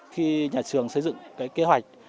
khi nhà trường xây dựng cái kế hoạch